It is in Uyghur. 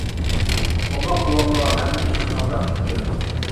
ئوماق بوۋاققا ھەممە كىشىنىڭ ئامراقلىقى كېلىدۇ.